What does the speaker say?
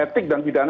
etik dan pidananya